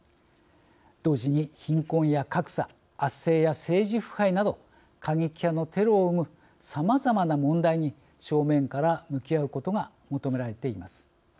同時に貧困や格差圧政や政治腐敗など過激派のテロを生むさまざまな問題に正面から向き合うことが求められています。